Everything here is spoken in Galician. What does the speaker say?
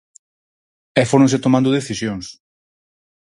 E fóronse tomando decisións.